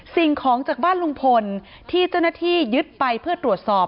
สิ่งของจากบ้านลุงพลที่เจ้าหน้าที่ยึดไปเพื่อตรวจสอบ